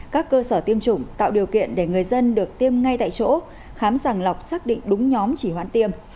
các cơ sở tiêm chủng tạo điều kiện để người dân được tiêm ngay tại chỗ khám sàng lọc xác định đúng nhóm chỉ hoãn tiêm